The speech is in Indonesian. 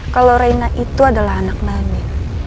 kalo reina itu adalah anak nani